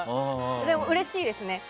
でも、うれしいですね。